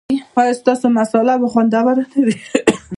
ایا ستاسو مصاله به خوندوره نه وي؟